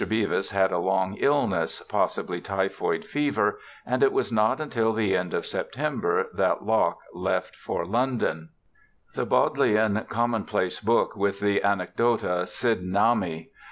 Beavis had a long illness, possibly typhoid fever, and it was not until the end of September that Locke left for London. JOHN LOCKE 103 The Bodleian Commonplace Book with the Anecdota Sydenhami.